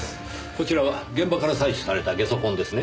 こちらは現場から採取された下足痕ですね？